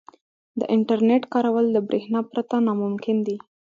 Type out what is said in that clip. • د انټرنیټ کارول د برېښنا پرته ناممکن دي.